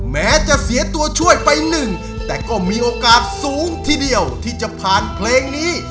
แม้จะเสียตัวช่วยไปหนึ่งแต่ก็มีโอกาสสูงทีเดียวที่จะผ่านเพลงนี้